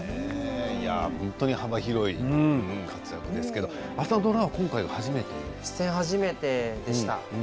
本当に幅広い活躍ですけれど出演は初めてでした。